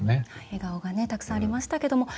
笑顔がたくさんありましたけども。